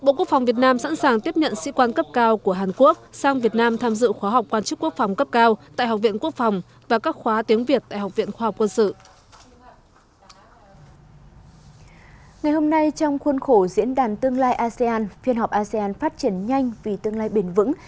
ngày hôm nay trong khuôn khổ diễn đàn tương lai asean phiên họp asean phát triển nhanh vì tương lai bền vững